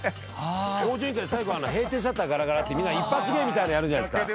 『向上委員会』最後閉店シャッターガラガラって一発芸みたいのやるじゃないですか。